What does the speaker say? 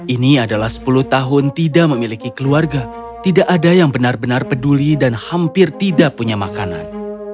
ini adalah sepuluh tahun tidak memiliki keluarga tidak ada yang benar benar peduli dan hampir tidak punya makanan